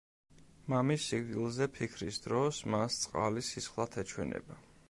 მამის სიკვდილზე ფიქრის დროს მას წყალი სისხლად ეჩვენება.